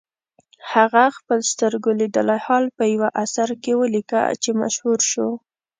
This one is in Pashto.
هغه خپل سترګو لیدلی حال په یوه اثر کې ولیکه چې مشهور شو.